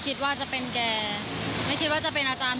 คิดว่ามันเรื่องจริงไหม